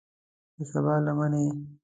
د سبا لمنې